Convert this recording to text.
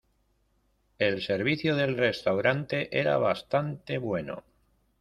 El servicio del restaurante era bastante bueno.